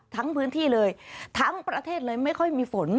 ทั้งพื้นที่เลยทั้งประเทศเลยไม่ค่อยมีฝน